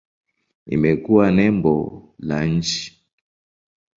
Imekuwa nembo la nchi.